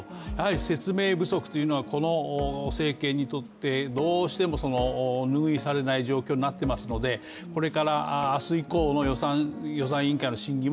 説明不足というのは、この政権にとってどうしても拭い去れない状況になってますのでこれから明日以降の予算委員会の審議も